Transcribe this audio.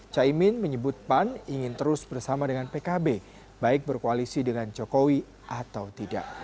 caimin menyebut pan ingin terus bersama dengan pkb baik berkoalisi dengan jokowi atau tidak